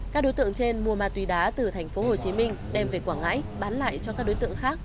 các đối tượng trên mua ma túy đá từ tp hcm đem về quảng ngãi bán lại cho các đối tượng khác